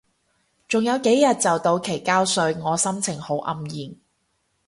仲有幾日就到期交稅，我心情好黯然